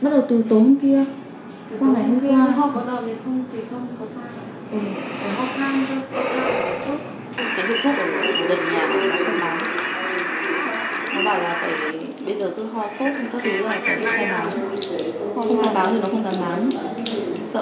nếu họ có đợi thì không thì không có sốt